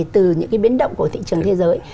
từ những biến động của thị trường thế giới